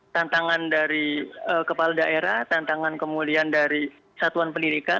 tantangan dari kepala daerah tantangan kemuliaan dari satuan pendidikan